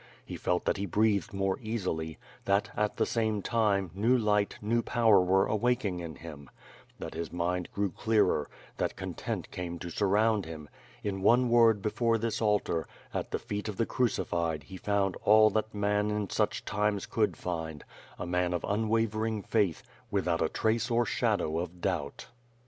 lie felt that he breathed more easily; that, at the same time, new light, new power were awaking in him; that his mind grew clearer; that content came to surround him — in one word before this altar, at the feet of the Crucified he found all that man in such times could find; a man of unwavering faith, without a trace or shadow of doubt.